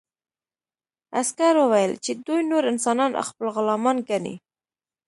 عسکر وویل چې دوی نور انسانان خپل غلامان ګڼي